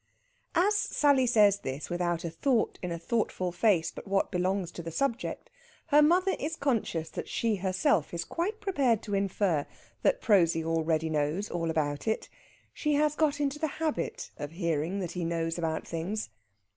As Sally says this, without a thought in a thoughtful face but what belongs to the subject, her mother is conscious that she herself is quite prepared to infer that Prosy already knows all about it. She has got into the habit of hearing that he knows about things.